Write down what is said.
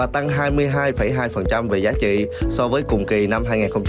tăng hai mươi hai hai về giá trị so với cùng kỳ năm hai nghìn hai mươi ba